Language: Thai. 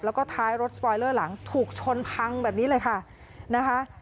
แล้วก็ท้ายรถสปอยเลอร์หลังถูกชนพังแบบนี้เลยค่ะนะคะ